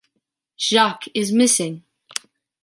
Jacques is missing!